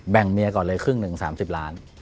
เมียก่อนเลยครึ่งหนึ่ง๓๐ล้าน